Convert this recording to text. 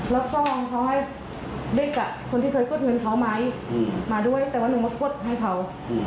รอบซ่อมเขาให้เล็กคนที่เคยกดเงินเขามาด้วยแต่ว่าลุงก็กดให้เขา